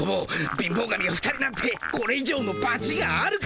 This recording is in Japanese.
貧乏神が２人なんてこれ以上のばちがあるか！